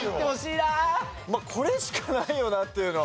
これしかないよなっていうの。